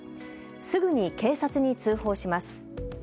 すぐに警察に通報します。